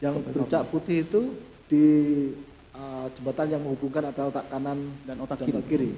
yang bercak putih itu di jembatan yang menghubungkan antara otak kanan dan otak dan tak kiri